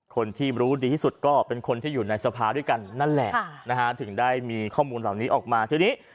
คนที่รู้ดีที่สุดก็เป็นคนที่อยู่ในสภาด้วยกันนั่นแหละถึงได้มีข้อมูลเหล่านี้ออกมาทีนี้